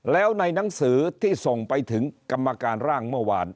แล้วในหนังสือที่ส่งไปถึงกรรมการร่างเมื่อวาน